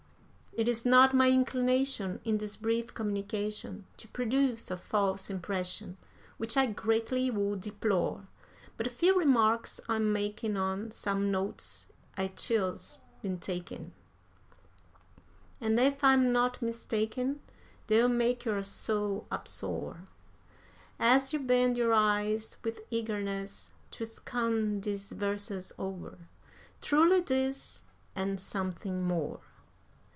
It is not my inclination, in this brief communication, To produce a false impression which I greatly would deplore But a few remarks I'm makin' on some notes a chiel's been takin,' And, if I'm not mistaken, they'll make your soul upsoar, As you bend your eyes with eagerness to scan these verses o'er; Truly this and something more.